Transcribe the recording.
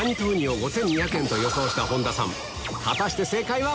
果たして正解は？